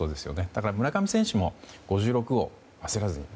だから、村上選手も５６号焦らずに。